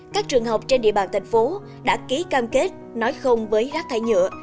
các trường học trên địa bàn thành phố đã ký cam kết nói không với rác thải nhựa